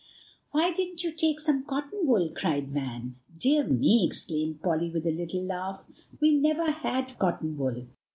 "Why didn't you take some cotton wool?" cried Van. "Dear me!" exclaimed Polly with a little laugh, "we never had cotton wool.